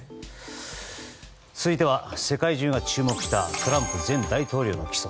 続いては世界中が注目したトランプ前大統領の起訴。